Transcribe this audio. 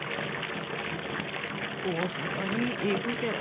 大阪に行くけん。